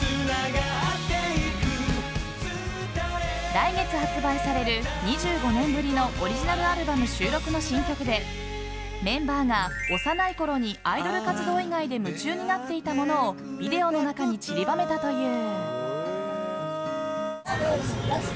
来月発売される２５年ぶりのオリジナルアルバム収録の新曲でメンバーが幼いころにアイドル活動以外で夢中になっていたものをビデオの中に散りばめたという。